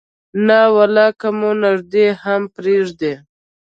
نه ولا که مو نږدې هم پرېږدي.